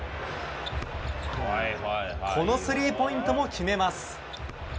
このスリーポイントも決めます。